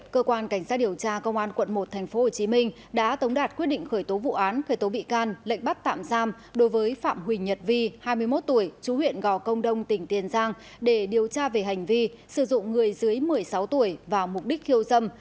cơ quan cảnh sát điều tra công an quận một tp hcm đã tống đạt quyết định khởi tố vụ án khởi tố bị can lệnh bắt tạm giam đối với phạm huỳnh nhật vi hai mươi một tuổi chú huyện gò công đông tỉnh tiền giang để điều tra về hành vi sử dụng người dưới một mươi sáu tuổi vào mục đích khiêu dâm